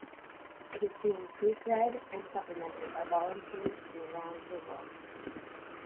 It is being proof-read and supplemented by volunteers from around the world.